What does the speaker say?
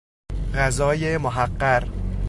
غذای محقر